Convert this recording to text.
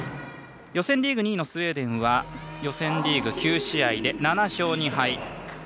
予選リーグ２位のスウェーデンは予選リーグ９試合で７勝２敗。